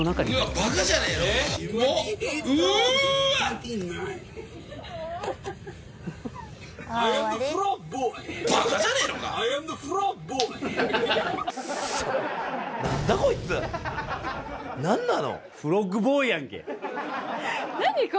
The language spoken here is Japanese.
ばかじゃねえのか。